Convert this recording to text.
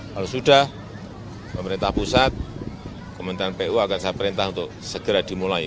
kalau sudah pemerintah pusat kementerian pu akan saya perintah untuk segera dimulai